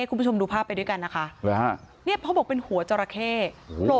คุณผู้ชมดูภาพมันไปด้วยกันนะคะเนี่ยเค้าบอกเป็นหัวจราเค้โห